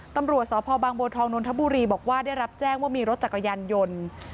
ตำรวจสพบางบัวทองนนทบุรีบอกว่าได้รับแจ้งว่ามีรถจักรยานยนต์